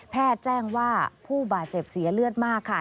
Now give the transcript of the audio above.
แจ้งว่าผู้บาดเจ็บเสียเลือดมากค่ะ